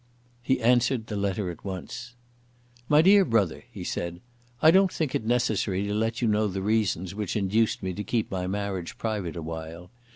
He answered the letter at once. "MY DEAR BROTHER," he said, "I don't think it necessary to let you know the reasons which induced me to keep my marriage private awhile.